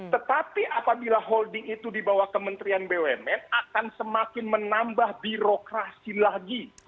tetapi apabila holding itu di bawah kementerian bumn akan semakin menambah birokrasi lagi di sektor bumn kita